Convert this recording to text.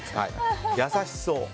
優しそう。